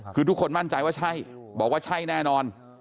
คือทุกคนมั่นใจว่าใช่บอกว่าใช่แน่นอน